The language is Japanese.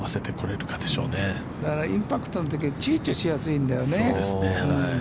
だからインパクトのときちゅうちょしやすいんだよね。